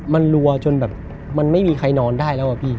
มันรัวจนมั้ยมีใครนอนได้แล้วอะพี่